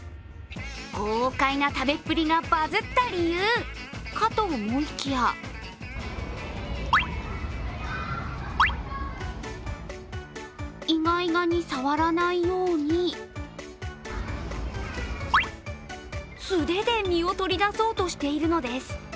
豪快な食べっぷりがバズった理由かと思いきやイガイガに触らないように素手で実を取り出そうとしているのです。